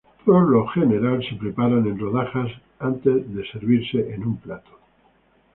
Por regla general se preparan en rodajas antes de ser servidos en un plato.